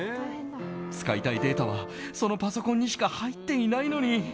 使いたいデータはそのパソコンにしか入っていないのに。